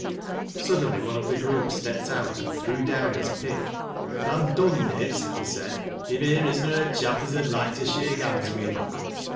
Suddenly one of the group stepped out and threw down his pick. " An' I'm dom'd, mates," he said, " if here is na a chap as ud loike to shake hands wi' him."